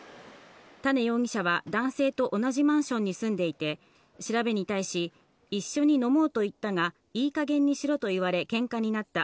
多禰容疑者は男性と同じマンションに住んでいて、調べに対し、一緒に飲もうと言ったが、いいかげんにしろと言われ、けんかになった。